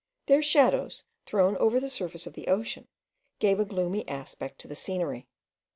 Their shadows, thrown over the surface of the ocean, gave a gloomy aspect to the scenery.